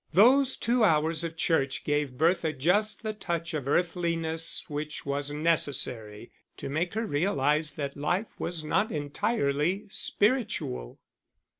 Those two hours of church gave Bertha just the touch of earthliness which was necessary to make her realize that life was not entirely spiritual.